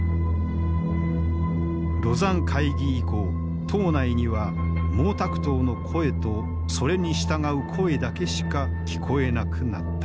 廬山会議以降党内には毛沢東の声とそれに従う声だけしか聞こえなくなった。